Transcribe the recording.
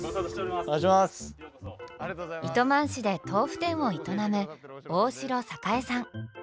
糸満市で豆腐店を営む大城光さん。